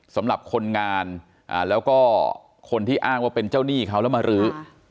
สำหรับคนงานแล้วก็คนที่อ้างว่าเป็นเจ้าหนี้เขาแล้วมารื้อ